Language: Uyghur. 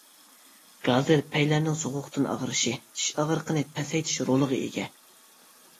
گازىر پەيلەرنىڭ سوغۇقتىن ئاغرىشى، چىش ئاغرىقىنى پەسەيتىش رولىغا ئىگە.